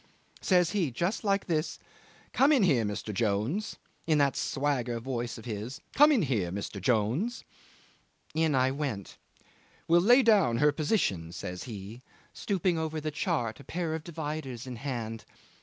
Says he, just like this: 'Come in here, Mr. Jones,' in that swagger voice of his 'Come in here, Mr. Jones.' In I went. 'We'll lay down her position,' says he, stooping over the chart, a pair of dividers in hand.